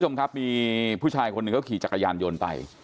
คุณผู้ชมครับมีผู้ชายคนหนึ่งเขาขี่จักรยานยนต์ไป